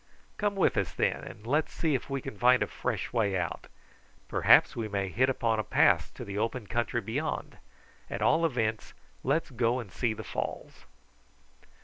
"Come with us, then, and let's see if we can find a fresh way out. Perhaps we may hit upon a pass to the open country beyond. At all events let's go and see the falls."